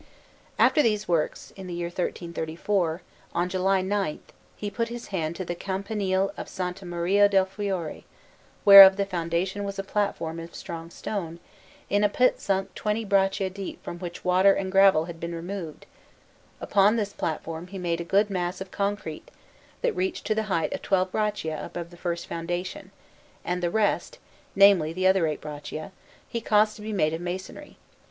After these works, in the year 1334, on July 9, he put his hand to the Campanile of S. Maria del Fiore, whereof the foundation was a platform of strong stone, in a pit sunk twenty braccia deep from which water and gravel had been removed; upon this platform he made a good mass of concrete, that reached to the height of twelve braccia above the first foundation, and the rest namely, the other eight braccia he caused to be made of masonry.